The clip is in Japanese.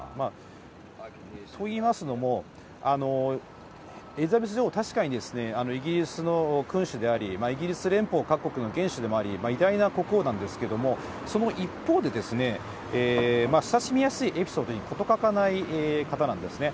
といいますのも、エリザベス女王、確かにイギリスの君主であり、イギリス連邦各国の元首でもあり、偉大な国王なんですけれども、その一方で、親しみやすいエピソードに事欠かない方なんですね。